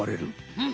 うん。